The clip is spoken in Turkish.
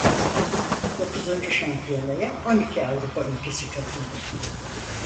Dokuzuncu şampiyonaya on iki Avrupa ülkesi katıldı.